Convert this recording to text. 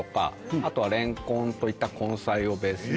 あとはレンコンといった根菜をベースに。